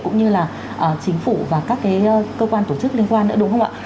cũng như là chính phủ và các cơ quan tổ chức liên quan nữa đúng không ạ